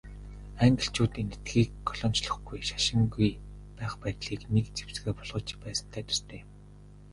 Англичууд Энэтхэгийг колоничлохгүй, шашингүй байх байдлыг нэг зэвсгээ болгож байсантай төстэй юм.